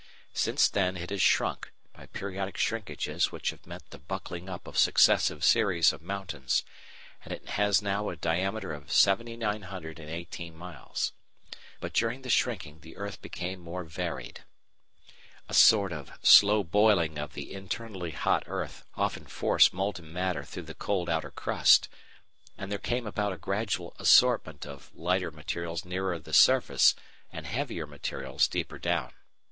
Since then it has shrunk, by periodic shrinkages which have meant the buckling up of successive series of mountains, and it has now a diameter of 7,918 miles. But during the shrinking the earth became more varied. A sort of slow boiling of the internally hot earth often forced molten matter through the cold outer crust, and there came about a gradual assortment of lighter materials nearer the surface and heavier materials deeper down.